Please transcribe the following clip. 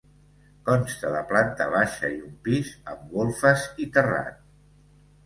Consta de planta baixa i un pis, amb golfes i terrat.